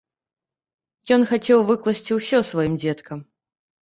Ён хацеў выкласці ўсё сваім дзеткам.